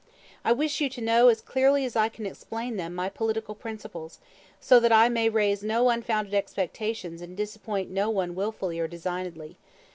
I wish you to know, as clearly as I can explain them, my political principles, so that I may raise no unfounded expectations and disappoint no one wilfully or designedly.